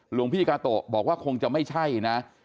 หลวงพี่กาโตะบอกว่าคงจะไม่ใช่นะ